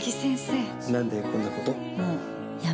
何で、こんなこと？